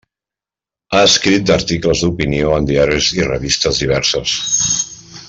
Ha escrit articles d'opinió en diaris i revistes diverses.